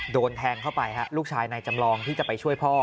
โดนแทงเข้าไปฮะลูกชายนายจำลองที่จะไปช่วยพ่อ